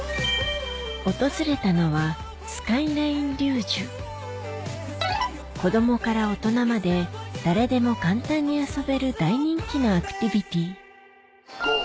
訪れたのは子供から大人まで誰でも簡単に遊べる大人気のアクティビティーゴー。